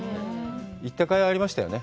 行ったかいありましたよね。